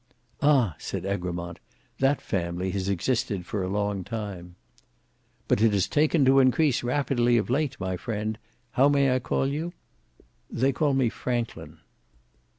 "Ah!" said Egremont, "that family has existed for a long time." "But it has taken to increase rapidly of late, my friend—how may I call you?" "They call me, Franklin."